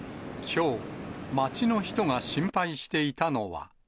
きょう、街の人が心配していたのは。